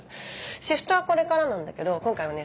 シフトはこれからなんだけど今回はね